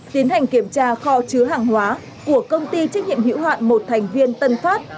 tiến hành kiểm tra kho chứa hàng hóa của công ty trách nhiệm hữu hạn một thành viên tân phát